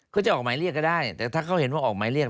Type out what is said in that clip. จะออกหมายเรียกก็ได้แต่ถ้าเขาเห็นว่าออกหมายเรียก